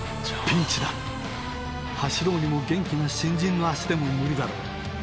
ピンチだ走ろうにも元気な新人の足でも無理だろう